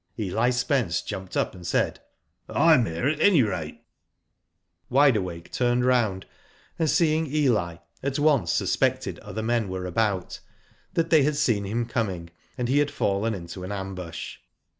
Eli Spence jumped up, and said: "Tm here at any rate," Digitized byGoogk AT MUNDA AGAIN. 159 Wide Awake turned round, and seeing Eli, at once suspected other men were about, that they had seen him coming, and he had fallen into an ambush.